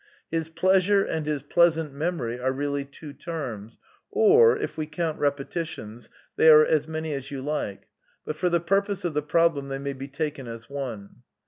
(His pleasure and his pleasant memory are really two terms ; or, if we count repetitions, they are as many as you like ; but for the purpose of the problem they may be taken as one).